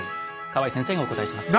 河合先生がお答えします。